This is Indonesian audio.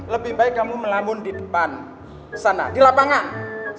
lebih baik kamu melabun di depan sana di lapangan